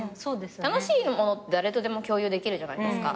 楽しいものって誰とでも共有できるじゃないですか。